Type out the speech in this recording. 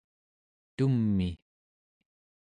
tum'i